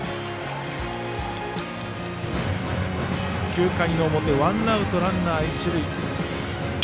９回表ワンアウトランナー、一塁。